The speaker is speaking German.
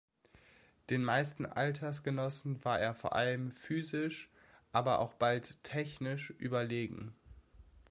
Den meisten Altersgenossen war er vor allem physisch, aber auch bald technisch überlegen.